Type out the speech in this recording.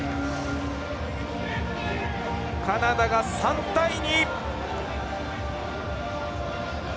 カナダが３対２！